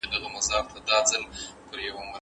څېړونکی په کتابتون کي مطالعه کوي.